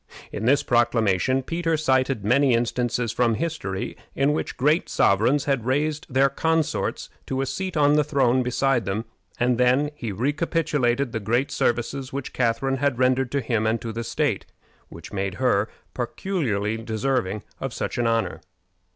In this proclamation Peter cited many instances from history in which great sovereigns had raised their consorts to a seat on the throne beside them, and then he recapitulated the great services which Catharine had rendered to him and to the state, which made her peculiarly deserving of such an honor.